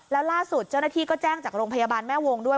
แล้วล่าสุดเจ้าหน้าที่ก็แจ้งจากโรงพยาบาลแม่วงด้วย